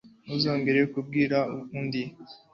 Ntuzongere kumbwira ukundi